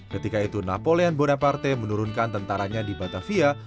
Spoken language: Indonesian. ketika itu napoleon bonaparte menurunkan tentaranya di batavia